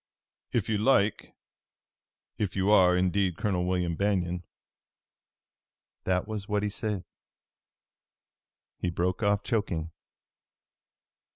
If you like if you are, indeed, Colonel William Banion' that was what he said." He broke off, choking.